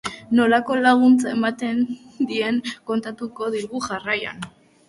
Nolako laguntza ematen dien kontatuko digu jarraian.